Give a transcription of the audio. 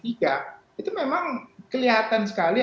itu memang kelihatan sekali